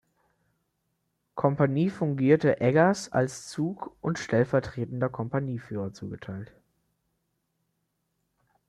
Kompanie fungierte Eggers als Zug- und stellvertretender Kompanieführer zugeteilt.